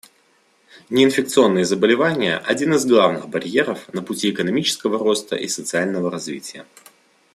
Неинфекционные заболевания — один из главных барьеров на пути экономического роста и социального развития.